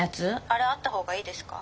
あれあった方がいいですか？